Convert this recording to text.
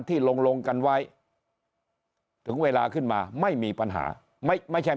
ที่ลงกันไว้ถึงเวลาขึ้นมาไม่มีปัญหาไม่ค่อยไม่มี